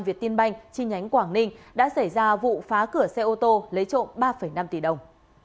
việt tiên banh chi nhánh quảng ninh đã xảy ra vụ phá cửa xe ô tô lấy trộm ba năm tỷ đồng